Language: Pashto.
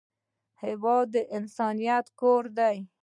هېواد د انسانیت کور دی.